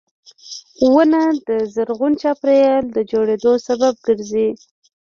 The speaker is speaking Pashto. • ونه د زرغون چاپېریال د جوړېدو سبب ګرځي.